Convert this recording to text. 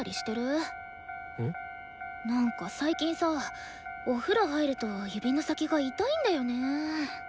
なんか最近さお風呂入ると指の先が痛いんだよね。